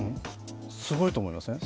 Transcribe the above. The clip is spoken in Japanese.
すごいと思いません？